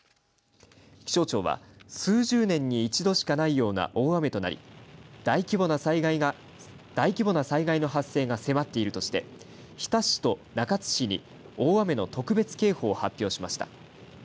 気象庁は数十年に一度しかないような大雨となり、大規模な災害の発生が迫っているとして日田市と中津市に大雨の特別警報を発表しました。